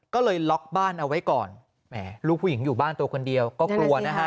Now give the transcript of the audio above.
ก็เลยล็อกบ้านเอาไว้ก่อนแหมลูกผู้หญิงอยู่บ้านตัวคนเดียวก็กลัวนะฮะ